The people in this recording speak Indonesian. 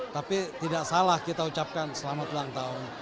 tapi tidak salah kita ucapkan selamat ulang tahun